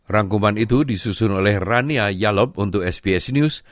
rangkuman itu disusun oleh rania yalop untuk sbs news